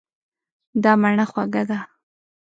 دا مڼه خوږه ده.